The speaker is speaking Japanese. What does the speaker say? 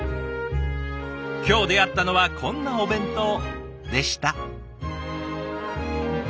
今日出会ったのはこんなお弁当でした。